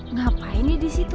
ngapain ya disitu